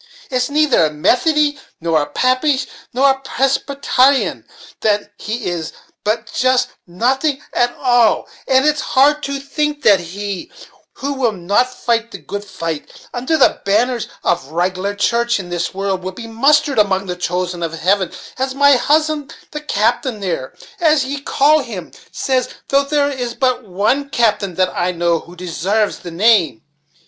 It's neither a Methodie, nor a Papish, nor Parsbetyrian, that he is, but just nothing at all; and it's hard to think that he, 'who will not fight the good fight, under the banners of a rig'lar church, in this world, will be mustered among the chosen in heaven,' as my husband, the captain there, as ye call him, says though there is but one captain that I know, who desarves the name.